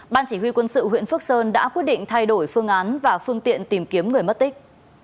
ban chỉ huy quân sự huyện phước sơn đã quyết định thay đổi phương án và phương tiện tìm kiếm người mất tích